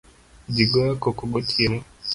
Jii goyo koko gotieno